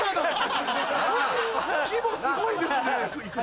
規模すごいですね。